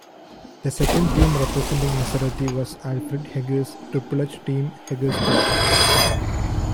The second team representing Maserati was Alfrid Heger's Triple H Team Hegersport.